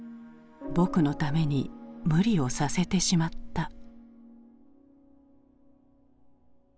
「僕のために無理をさせてしまった」。